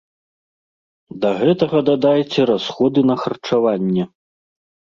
Да гэтага дадайце расходы на харчаванне.